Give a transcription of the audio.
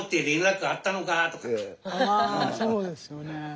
あそうですよね。